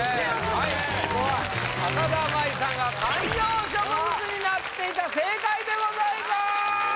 はい浅田舞さんが観葉植物になっていた正解でございます！